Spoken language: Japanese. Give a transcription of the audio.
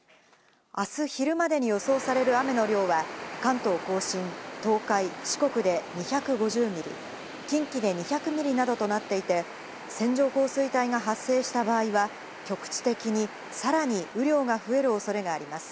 あす昼までに予想される雨の量は、関東甲信、東海、四国で２５０ミリ、近畿で２００ミリなどとなっていて、線状降水帯が発生した場合は、局地的にさらに雨量が増える恐れがあります。